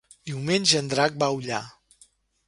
Diumenge en Drac va a Ullà.